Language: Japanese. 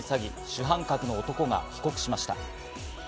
主犯格の男が帰国しました。